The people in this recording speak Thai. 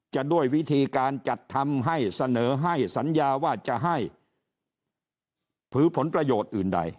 จะด้วยวิธีการจัดทำให้เสนอให้สัญญาว่าจะให้ถือผลประโยชน์อื่นใด